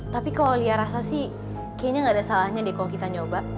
tapi kalau lia rasa sih kayaknya nggak ada salahnya deh kalau kita nyoba